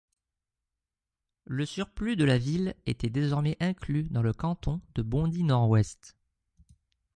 Le surplus de la ville était désormais inclus dans le canton de Bondy-Nord-Ouest.